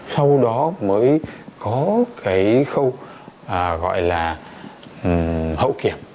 sau đó mới có cái khâu gọi là hậu kiểm